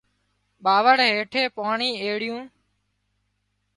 ٻاوۯ هيٺي پاڻي ايڙيون